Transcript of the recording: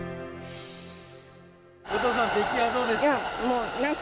後藤さん、出来はどうですか？